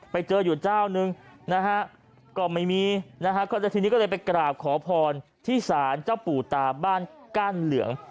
ไปเจออยู่เจ้านึงนะฮะก็ไม่มีนะฮะทีนี้ก็เลยไปกราบขอพรที่ศาลเจ้าปู่ตาบ้านก้านเหลือง